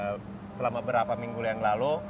karena selama berapa minggu yang lalu